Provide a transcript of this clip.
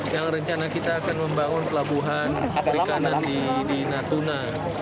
yang rencana kita akan membangun pelabuhan perikanan di natuna